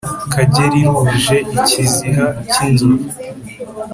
Kagera iruje-Ikiziha cy'inzovu.